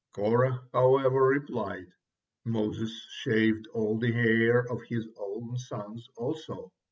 Korah, however, replied: "Moses shaved all the hair of his own sons also."